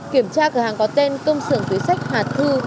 kiểm tra cửa hàng có tên công sưởng túi sách hà thư